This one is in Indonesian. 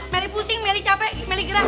meli pusing meli capek meli gerah